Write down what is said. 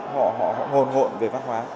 họ ngồn ngộn về văn hóa